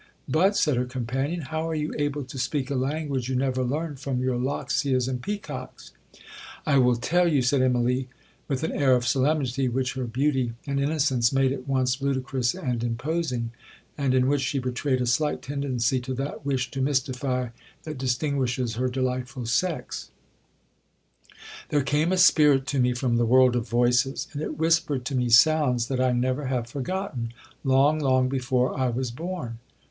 'But,' said her companion, 'how are you able to speak a language you never learned from your loxias and peacocks?'—'I will tell you,' said Immalee, with an air of solemnity, which her beauty and innocence made at once ludicrous and imposing, and in which she betrayed a slight tendency to that wish to mystify that distinguishes her delightful sex,—'there came a spirit to me from the world of voices, and it whispered to me sounds that I never have forgotten, long, long before I was born.'